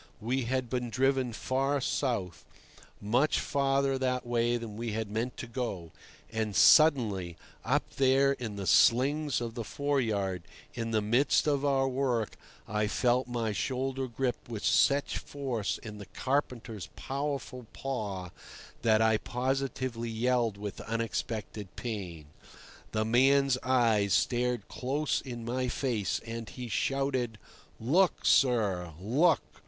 We had been driven far south—much farther that way than we had meant to go; and suddenly, up there in the slings of the foreyard, in the midst of our work, I felt my shoulder gripped with such force in the carpenter's powerful paw that I positively yelled with unexpected pain. The man's eyes stared close in my face, and he shouted, "Look, sir! look!